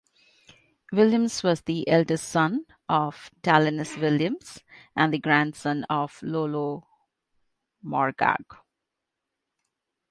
Williams was the eldest son of Taliesin Williams and the grandson of Iolo Morganwg.